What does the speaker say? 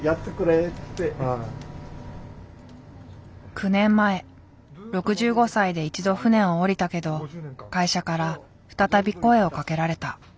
９年前６５歳で一度船をおりたけど会社から再び声をかけられた。